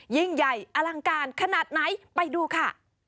ยิ่งใหญ่อลังการขนาดไหนไปดูค่ะ